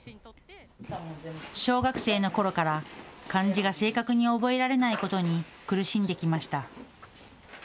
小学生のころから漢字が正確に覚えられないことに苦しんできました。